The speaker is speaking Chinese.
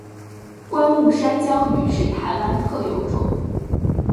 观雾山椒鱼是台湾特有种。